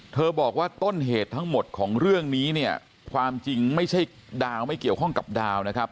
บอกว่าต้นเหตุทั้งหมดของเรื่องนี้เนี่ยความจริงไม่ใช่ดาวไม่เกี่ยวข้องกับดาวนะครับ